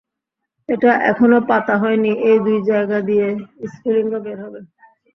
এটা এখনো পাতা হয়নি, এই দুই জায়গা দিয়ে স্ফুলিঙ্গ বের হবে।